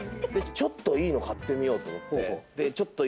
ちょっといいの買ってみようと思って。